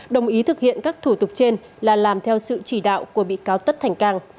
đồng ý thực hiện các thủ tục trên là làm theo sự chỉ đạo của bị cáo tất thành cang